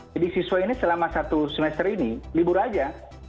jadi siswa ini selama satu semester ini libur aja